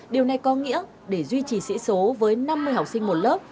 điều này có nghĩa để duy trì sĩ số với năm mươi học sinh một lớp